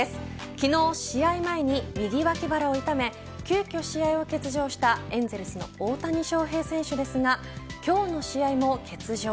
昨日、試合前に右脇腹を痛め急きょ試合を欠場したエンゼルスの大谷翔平選手ですが今日の試合も欠場。